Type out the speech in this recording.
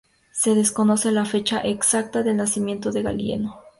Se desconoce la fecha exacta del nacimiento de Galieno.